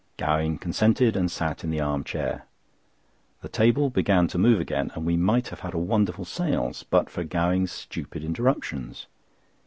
Gowing consented and sat in the arm chair. The table began to move again, and we might have had a wonderful séance but for Gowing's stupid interruptions.